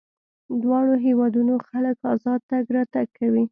دواړو هېوادونو خلک ازاد تګ راتګ کوي.